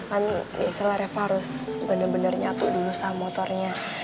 kan biasalah reva harus bener bener nyatu dulu sama motornya